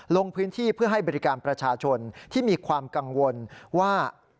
ลงพื้นที่เพื่อให้บริการประชาชนที่มีความกังวลว่า